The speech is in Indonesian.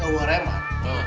ya waduh remat